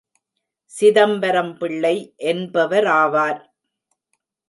Chidambaram Pillai என்பவராவார்.